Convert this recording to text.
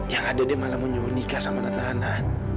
yang ada deh malah mau nyuruh nikah sama natana